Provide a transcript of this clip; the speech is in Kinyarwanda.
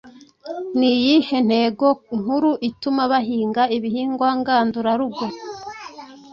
Ni iyihe ntego nkuru ituma bahinga ibihingwa ngandurarugo?